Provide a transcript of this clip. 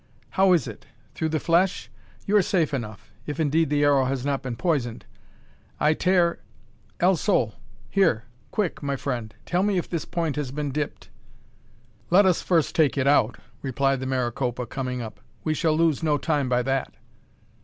"How is it? through the flesh? You are safe enough; if, indeed, the arrow has not been poisoned. I tear El Sol! here! quick, my friend! tell me if this point has been dipped." "Let us first take it out," replied the Maricopa, coming up; "we shall lose no time by that."